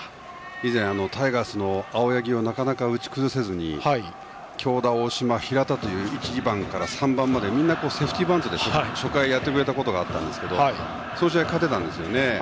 以前、タイガースの青柳をなかなか打ち崩せずに京田、大島、平田という１、２番から３番までみんなセーフティーバントで初回、やってくれたことがあるんですけどその試合は勝てたんですね。